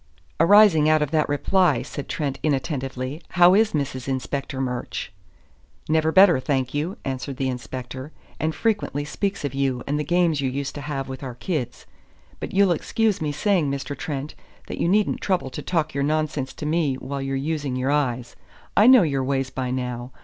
"Arising out of that reply," said Trent inattentively, "how is Mrs. Inspector Murch?" "Never better, thank you," answered the inspector, "and frequently speaks of you and the games you used to have with our kids. But you'll excuse me saying, Mr. Trent, that you needn't trouble to talk your nonsense to me while you're using your eyes. I know your ways by now.